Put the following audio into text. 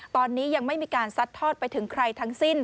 ตอนนี้ยังไม่มีการซัดทอดไปถึงใครทั้งสิ้น